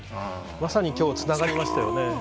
まさに今日つながりましたよね。